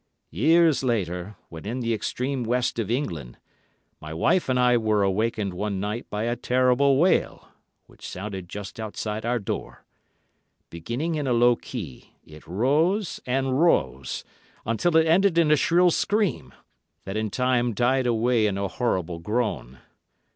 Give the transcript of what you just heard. "Years later, when in the extreme West of England, my wife and I were awakened one night by a terrible wail, which sounded just outside our door. Beginning in a low key, it rose and rose, until it ended in a shrill scream, that in time died away in a horrible groan.